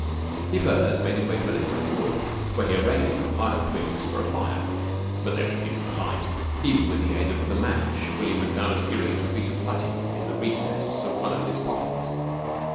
He first made his way to a neighbouring wood, where he arranged a pile of twigs for a fire, but they refused to light, even with the aid of the match that William found adhering to a piece of putty in the recess of one of his pockets.